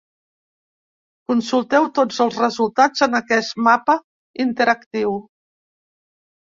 Consulteu tots els resultats en aquest mapa interactiu.